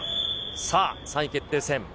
さあ、３位決定戦。